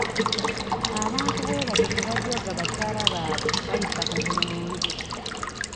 Abantu bwe batyo tebajooga bakyala baabwe bayisa kugulu mu nju!